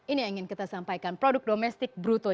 ini yang ingin kita sampaikan produk domestik bruto